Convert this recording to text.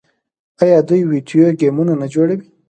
آیا دوی ویډیو ګیمونه نه جوړوي؟